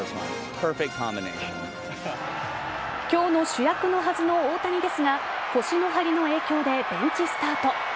今日の主役のはずの大谷ですが腰の張りの影響でベンチスタート。